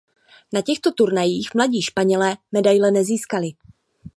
Na těchto turnajích mladí Španělé medaile nezískali.